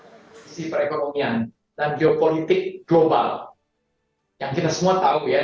dari sisi perekonomian dan geopolitik global yang kita semua tahu ya